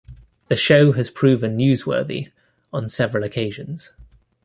The show has proven newsworthy on several occasions.